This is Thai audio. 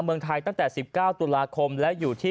เมืองไทยตั้งแต่๑๙ตุลาคมและอยู่ที่